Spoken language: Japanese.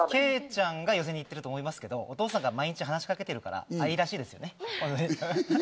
ケイちゃんが寄せに行ってると思いますけど、お父さんが毎日話し掛けに言ってるから、愛らしいね。